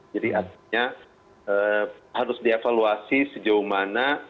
jadi artinya harus dievaluasi sejauh mana